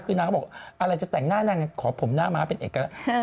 คือน้ำเขาบอกอะไรจะแต่งหน้านั่งขอผมหน้ามาเป็นเอกละ